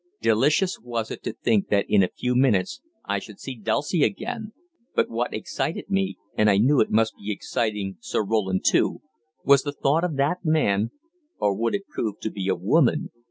Delicious was it to think that in a few minutes I should see Dulcie again, but what excited me and I knew it must be exciting Sir Roland too was the thought of that man or would it prove to be a woman?